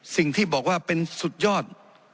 สิ่งที่บอกว่าเป็นสุดยอด